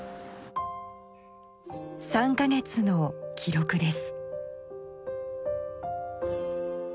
３か月の記録です。